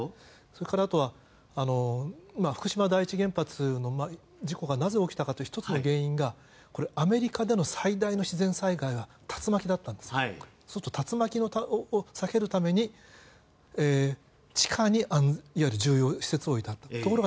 それから、あとは福島第一原発の事故がなぜ起きたかという１つの原因がアメリカでの最大の自然災害は竜巻だったんです竜巻を避けるために地下にいわゆる重要施設を置いたと。